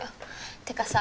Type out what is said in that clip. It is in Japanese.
ってかさ